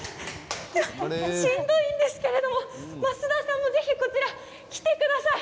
しんどいんですけれども増田さんはぜひこちら来てください。